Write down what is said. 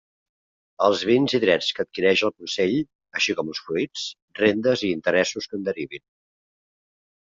Els béns i drets que adquireixi el Consell, així com els fruits, rendes i interessos que en derivin.